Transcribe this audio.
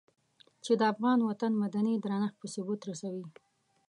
چې د افغان وطن مدني درنښت په ثبوت رسوي.